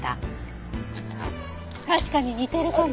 確かに似てるかも。